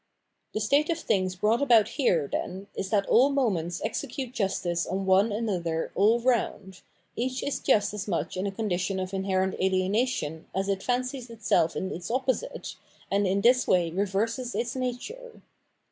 The state of things brought about here, then, is that all moments execute justice on one another all round, each is just as much in a condition of inherent ahenation as it fancies itself in its opposite, and in this way reverses its nature.